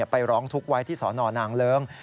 ไปร้องทุกข์ไว้ที่สนนางเลิ้ง